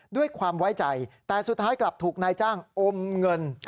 ด้วยความไว้ใจแต่สุดท้ายกลับถูกนายจ้างอมเงิน